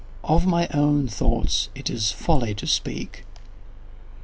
Of my own thoughts it is folly to speak.